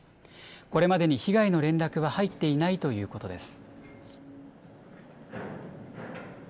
これまでに被害の連絡は入っていないということです。